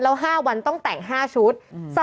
แล้ว๕วันต้องแต่ง๕ชุด